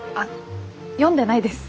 読んでないです。